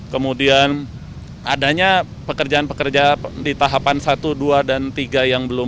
kemudian adanya pekerjaan pekerja di tahapan satu dua dan tiga yang belum